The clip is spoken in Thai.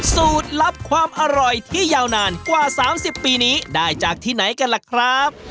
สูตรลับความอร่อยที่ยาวนานกว่า๓๐ปีนี้ได้จากที่ไหนกันล่ะครับ